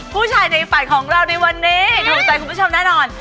พู่ชายในฝันของเรานี่จะถึงใจคุณผู้ชมแน่นอน